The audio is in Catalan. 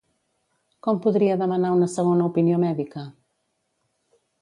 Com podria demanar una segona opinió mèdica?